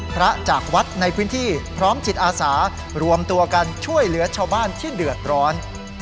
จากวัดในพื้นที่พร้อมจิตอาสารวมตัวกันช่วยเหลือชาวบ้านที่เดือดร้อน